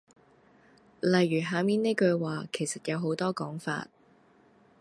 例如下面呢句話其實有好多講法